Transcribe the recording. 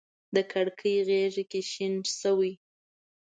د کړکۍ غیږ کي شین شوی